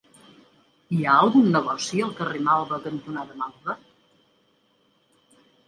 Hi ha algun negoci al carrer Malva cantonada Malva?